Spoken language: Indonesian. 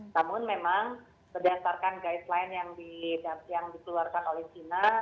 namun memang berdasarkan guideline yang dikeluarkan oleh china